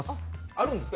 あるんですか？